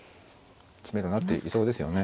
詰めろになっていそうですよね。